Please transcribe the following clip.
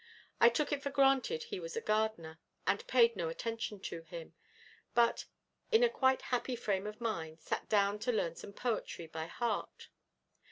I took it for granted he was a gardener, and paid no attention to him; but, in a quite happy frame of mind, sat down to learn some poetry by heart.